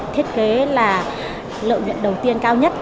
thiết kế là lợi nhận đầu tiên cao nhất